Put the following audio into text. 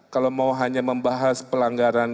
kalau mau hanya membahas pelanggaran